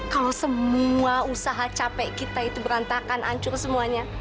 kalau semua usaha capek kita itu berantakan hancur semuanya